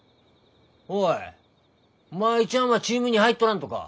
おい舞ちゃんはチームに入っとらんとか？